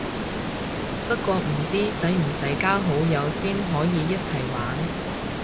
不過唔知使唔使加好友先可以一齊玩